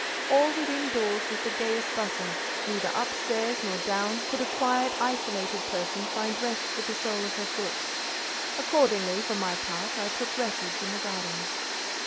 All within doors was the gayest bustle; neither up stairs nor down could a quiet, isolated person find rest for the sole of her foot; accordingly, for my part, I took refuge in the garden.